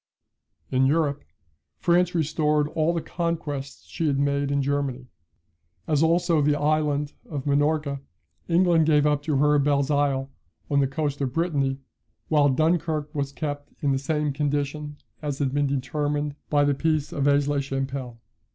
"In Europe, France restored all the conquests she had made in Germany; as also the island, of Minorca, England gave up to her Belleisle, on the coast of Brittany; while Dunkirk was kept in the same condition as had been determined by the peace of Aix la Chapelle.